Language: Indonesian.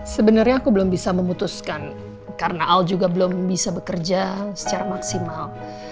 sebenarnya aku belum bisa memutuskan karena al juga belum bisa bekerja secara maksimal